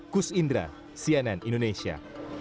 kus indra cnn indonesia